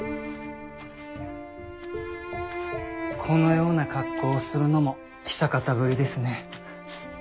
このような格好をするのも久方ぶりですね。